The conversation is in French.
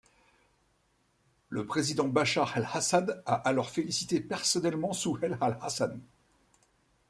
Le président Bachar el-Assad a alors félicité personnellement Souheil al-Hassan.